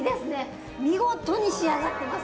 見事に仕上がってます！